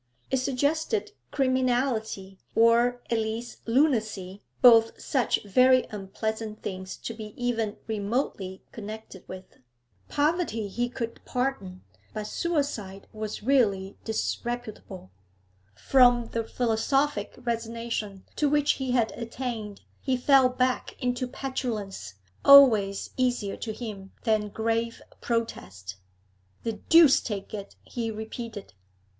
It suggested criminality, or at least lunacy, both such very unpleasant things to be even remotely connected with. Poverty he could pardon, but suicide was really disreputable. From the philosophic resignation to which he had attained, he fell back into petulance, always easier to him than grave protest. 'The deuce take it!' he repeated.